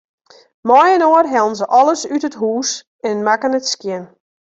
Mei-inoar hellen se alles út it hús en makken it skjin.